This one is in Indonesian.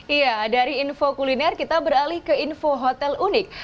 iya dari info kuliner kita beralih ke info hotel unik